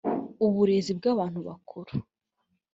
uburezi bw abantu bakuru